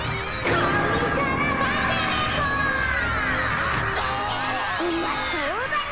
うまそうだにゃ。